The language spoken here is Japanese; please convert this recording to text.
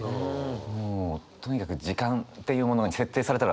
もうとにかく時間っていうものに設定されたらめっちゃ焦ります。